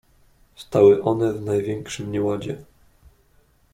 "Stały one w największym nieładzie."